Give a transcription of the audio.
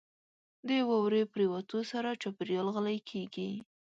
• د واورې پرېوتو سره چاپېریال غلی کېږي.